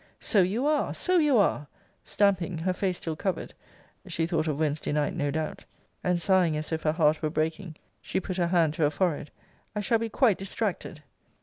So you are! so you are! stamping, her face still covered [she thought of Wednesday night, no doubt]; and, sighing as if her heart were breaking, she put her hand to her forehead I shall be quite distracted!